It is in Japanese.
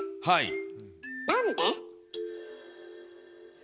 はい。